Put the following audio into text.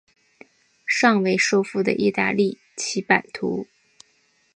尚未收复的意大利其版图。